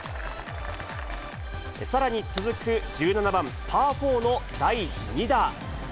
さらに続く１７番パー４の第２打。